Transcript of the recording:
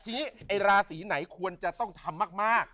ทีนี้ไอ้ราศีไหนควรจะต้องทำมาก